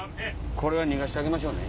これは逃がしてあげましょうね。